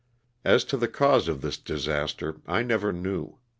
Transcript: As to the cause of this disaster I never knew.